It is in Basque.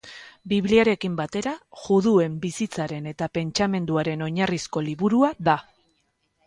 Bibliarekin batera, juduen bizitzaren eta pentsamenduaren oinarrizko liburua da.